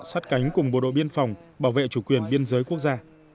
sát cánh cùng bộ đội biên phòng bảo vệ chủ quyền biên giới quốc gia